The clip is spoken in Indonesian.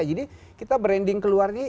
jadi kita branding keluar nih